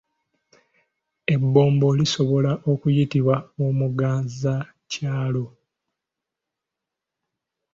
Ebbombo lisobola okuyitibwa Omuganzakyalo.